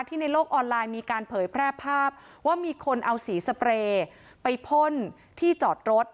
ในโลกออนไลน์มีการเผยแพร่ภาพว่ามีคนเอาสีสเปรย์ไปพ่นที่จอดรถ